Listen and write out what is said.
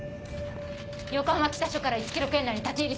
横浜北署から１ｋｍ圏内に立ち入り制限。